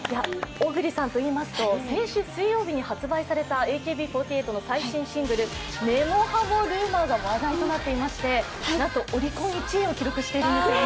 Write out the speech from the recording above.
小栗さんといいますと先週水曜日に発売されたＡＫＢ４８の最新シングル「根も葉もＲｕｍｏｒ」が話題となっていまして、なんとオリコン１位を記録しているんですよね。